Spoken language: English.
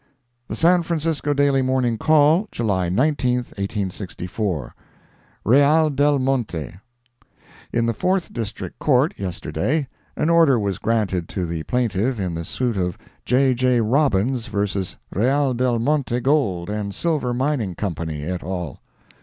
The San Francisco Daily Morning Call, July 19, 1864 REAL DEL MONTE In the Fourth District Court, yesterday, an order was granted to the plaintiff in the suit of J. J. Robbins vs. Real del Monte Gold and Silver Mining Company et al.